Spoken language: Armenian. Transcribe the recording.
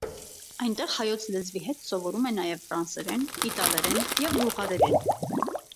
Այնտեղ հայոց լեզվի հետ սովորում է նաև ֆրանսերեն, իտալերեն և բուլղարերեն։